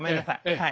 はい。